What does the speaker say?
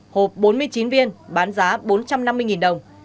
hộp bốn mươi chín viên bán giá bốn trăm năm mươi đồng